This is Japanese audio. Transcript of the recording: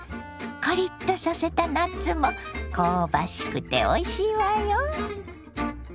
カリッとさせたナッツも香ばしくておいしいわよ。